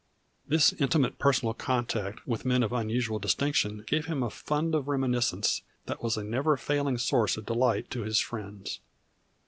This intimate personal contact with men of unusual distinction gave him a fund of reminiscence that was a never failing source of delight to his friends.